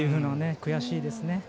悔しいですね。